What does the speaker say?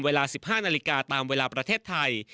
เวลา๑๕นาฬิกาตามเวลาประเทศไทย